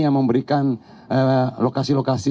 yang memberikan lokasi lokasi